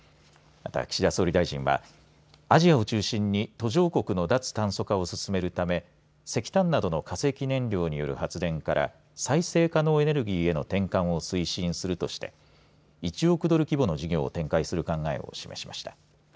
また岸田総理大臣はアジアを中心に途上国の脱炭素化を進めるため石炭などの化石燃料による発電から再生可能エネルギーへの転換を推進するとして１億ドル規模の事業を展開する考えを示しました。